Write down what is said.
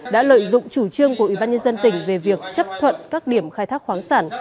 đã lợi dụng chủ trương của ủy ban nhân dân tỉnh về việc chấp thuận các điểm khai thác khoáng sản